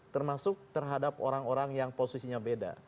termasuk terhadap orang orang yang posisinya beda